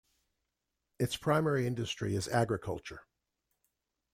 Its primary industry is agriculture.